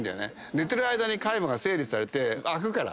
寝てる間に海馬が整理されて空くから。